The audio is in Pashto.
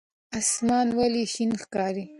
اسمان ولې شین ښکاري؟